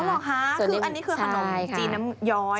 เหรอคะคืออันนี้คือขนมจีนน้ำย้อย